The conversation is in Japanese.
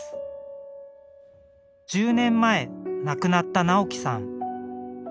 １０年前亡くなった直紀さん。